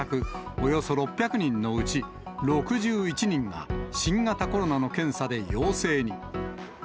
およそ６００人のうち、６１人が、新型コロナの検査で陽性に。